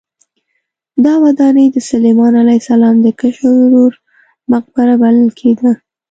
دا ودانۍ د سلیمان علیه السلام د کشر ورور مقبره بلل کېده.